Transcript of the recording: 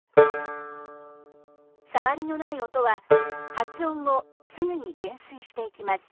サワリのない音は発音後すぐに減衰していきます。